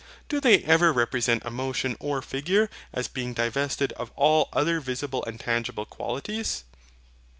Do they ever represent a motion, or figure, as being divested of all other visible and tangible qualities?